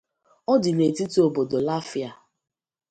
Ọ dị na etiti obodo Lafia.